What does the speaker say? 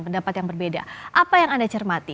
pendapat yang berbeda apa yang anda cermati